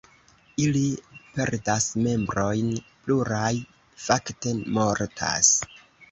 Ili perdas membrojn, pluraj fakte mortas.